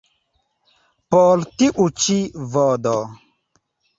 Por tiu ĉi vd.